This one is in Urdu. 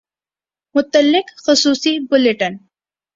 متعلق خصوصی بلیٹن